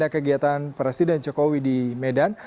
kegiatan presiden jokowi di medan